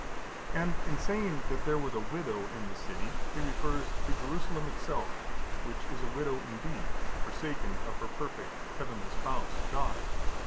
And in saying that there was a widow in the city, he refers to Jerusalem itself, which is a widow indeed, forsaken of her perfect, heavenly spouse, God.